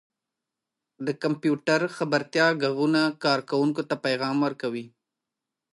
• د کمپیوټر خبرتیا ږغونه کاروونکو ته پیغام ورکوي.